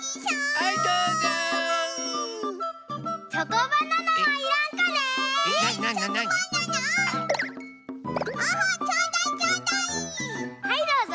はいどうぞ。